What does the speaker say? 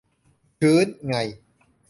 ชื้นไง